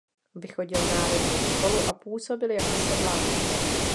Vychodil národní školu a působil jako sedlák.